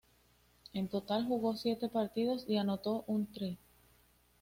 En total jugó siete partidos y anotó un try.